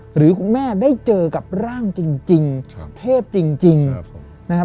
หรือแม่ได้เจอกับร่างจริงเทพจริง